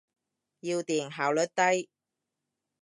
要電，效率低。